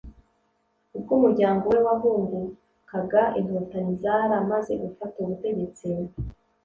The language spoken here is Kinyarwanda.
Ubwo umuryango we wahungukaga inkotanyi zaramaze gufata ubutegetsi,